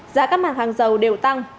giá các mặt hàng dầu đều tăng